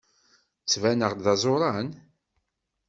Ttbaneɣ-d d azuran?